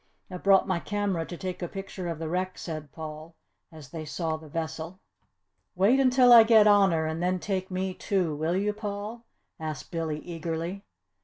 "I brought my camera to take a picture of the wreck," said Paul, as they saw the vessel. "Wait until I get on her and then take me too, will you, Paul?" asked Billy, eagerly.